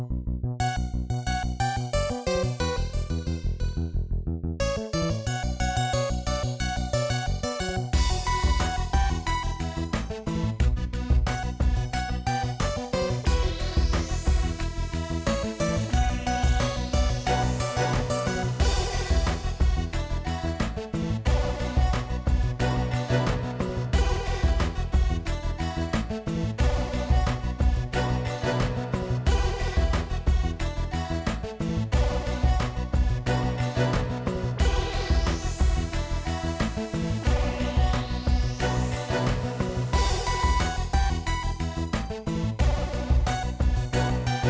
nah ini di sini digunakan untuk mengeringkan obat abduk